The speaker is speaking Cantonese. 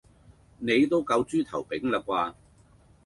你都夠豬頭柄啦啩?